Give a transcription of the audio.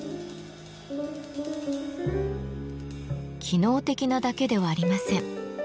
機能的なだけではありません。